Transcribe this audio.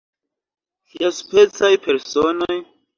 Kiaspecaj personoj?